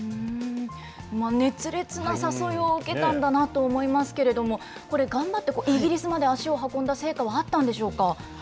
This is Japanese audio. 熱烈な誘いを受けたんだなと思いますけれども、これ、頑張ってイギリスまで足を運んだ成果はあったんでしょうか。